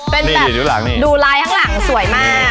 เป็นดูลายข้างหลังสวยมาก